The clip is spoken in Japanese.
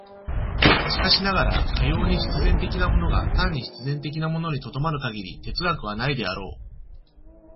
しかしながら、かように必然的なものが単に必然的なものに止まる限り哲学はないであろう。